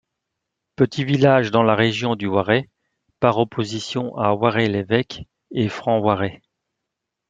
Petit village dans la région du Waret, par opposition à Waret-l'Évêque et Franc-Waret.